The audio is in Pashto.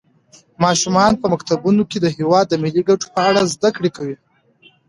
ماشومان په مکتبونو کې د هېواد د ملي ګټو په اړه زده کړه کوي.